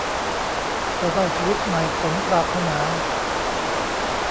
จะได้ชีวิตใหม่สมปรารถนา